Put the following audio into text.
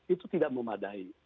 itu tidak memadai